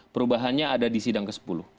perubahannya ada di sidang ke sepuluh